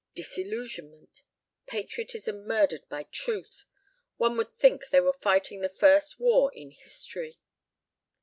Disillusionment! Patriotism murdered by Truth! One would think they were fighting the first war in history.